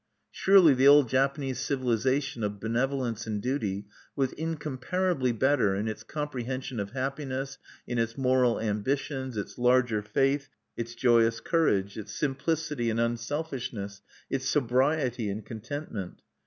Surely the old Japanese civilization of benevolence and duty was incomparably better in its comprehension of happiness, in its moral ambitions, its larger faith, its joyous courage, its simplicity and unselfishness, its sobriety and contentment.